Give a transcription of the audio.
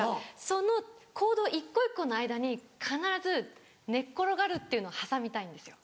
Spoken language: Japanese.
その行動１個１個の間に必ず寝っ転がるっていうのを挟みたいんですよ。